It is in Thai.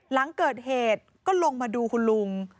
หลังเกิดเหตุก็ลงมาดูคุณลุง